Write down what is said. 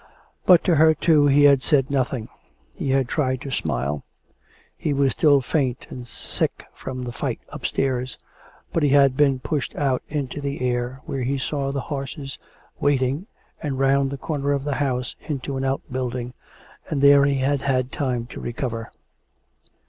But to her, too, he had said nothing; he had tried to smile; he was still faint and sick from the fight upstairs. But he had been pushed out into the air, where he saw the horses waiting, and round the corner of the house into an out building, and there he had had time to recover.